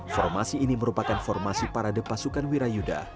formasi ini merupakan formasi parade pasukan wirayuda